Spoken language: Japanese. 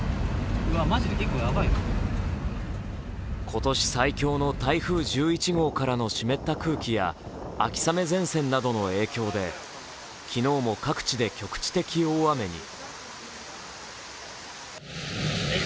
今年最強の台風１１号からの湿った空気や秋雨前線などの影響で昨日も各地で局地的大雨に。